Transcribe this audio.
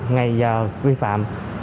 ngày giờ vi phạm